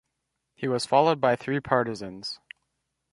He was followed by three partisans.